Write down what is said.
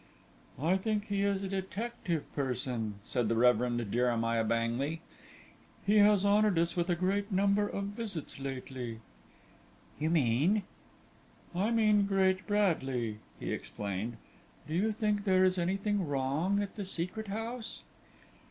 "I think he is a detective person," said the Reverend Jeremiah Bangley; "he has honoured us with a great number of visits lately." "You mean ?" "I mean Great Bradley," he explained. "Do you think there is anything wrong at the Secret House?"